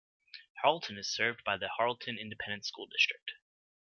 Harleton is served by the Harleton Independent School District.